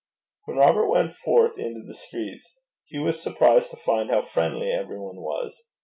When Robert went forth into the streets, he was surprised to find how friendly every one was.